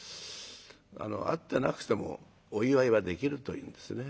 あの会ってなくてもお祝いはできるというんですね。